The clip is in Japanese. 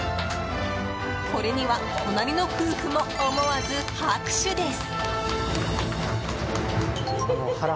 これには隣の夫婦も思わず拍手です。